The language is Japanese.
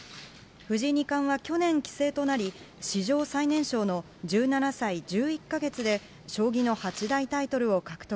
藤井二冠は去年、棋聖となり史上最年少の１７歳１１か月で将棋の八大タイトルを獲得。